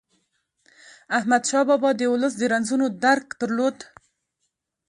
احمدشاه بابا د ولس د رنځونو درک درلود.